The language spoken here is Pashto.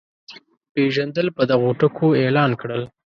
پېژندل په دغو ټکو اعلان کړل.